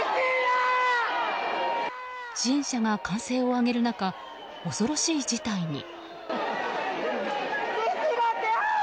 支援者が歓声を上げる中恐ろしい事態に。